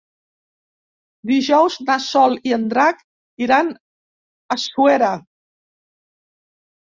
Dijous na Sol i en Drac iran a Suera.